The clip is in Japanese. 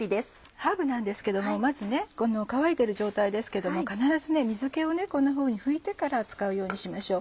ハーブなんですけどもまずこの乾いてる状態ですけども必ず水気をこんなふうに拭いてから使うようにしましょう。